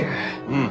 うん。